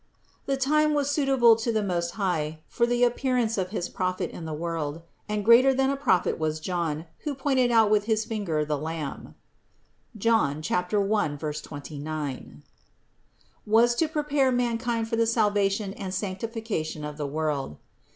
The time was suitable to the Most High for the appearance of his Prophet in the world; and greater than a prophet was John, who pointing out with his finger the Lamb (John 1, 29), was to prepare mankind for the salvation and sanctification of the world.